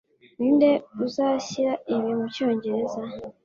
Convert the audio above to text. Ninde uzashyira ibi mucyongereza?